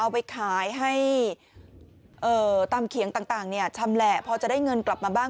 พอให้ได้เงินกลับมาบ้าน